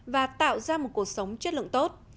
và tạo ra một cuộc sống chất lượng tốt